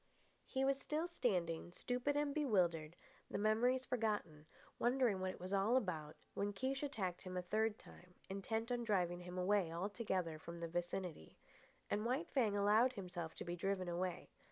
He was still standing, stupid and bewildered, the memories forgotten, wondering what it was all about, when Kiche attacked him a third time, intent on driving him away altogether from the vicinity. And White Fang allowed himself to be driven away.